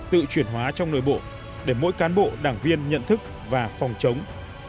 tự chuyển hóa trong nội bộ để mỗi cán bộ đảng viên nhận thức và phòng chống